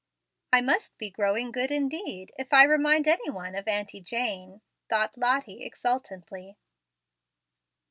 "I must be growing good indeed, if I remind any one of Auntie Jane," thought Lottie, exultantly.